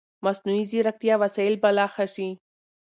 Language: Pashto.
مصنوعي ځیرکتیا وسایل به لا ښه شي.